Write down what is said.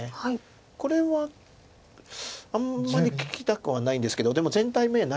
これはあんまり利きたくはないんですけどでも全体眼ないです。